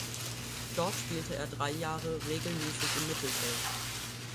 Dort spielte er drei Jahre regelmäßig im Mittelfeld.